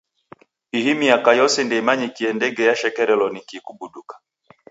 Ihi miaka yose ndeimanyikie ndege yashekerelo ni kii kubuduka.